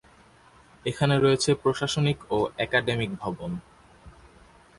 এখানে রয়েছে প্রশাসনিক ও একাডেমির ভবন।